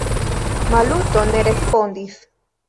Maluto ne respondis.